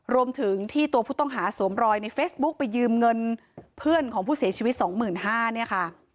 รวมถึงที่ตัวผู้ต้องหาสวมรอยในเฟซบุ๊คไปยืมเงินเพื่อนของผู้เสียชีวิต๒๕๐๐เนี่ยค่ะ